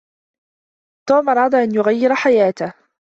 توم أراد أن يغير حياتهُ.